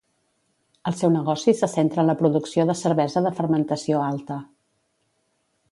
El seu negoci se centra en la producció de cervesa de fermentació alta.